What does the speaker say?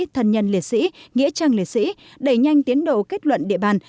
thần nhân liệt sĩ nghĩa trang liệt sĩ đẩy nhanh tiến độ kết luận địa bàn